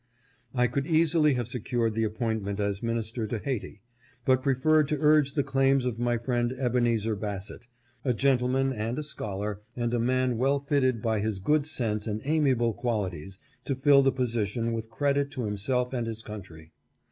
I could easily have secured the appointment as minister to Hayti, but preferred to urge the claims of my friend Ebenezer Bassett, a gentleman and a scholar, and a man well fitted by his good sense and amiable qualities to fill the position with credit to himself and his country.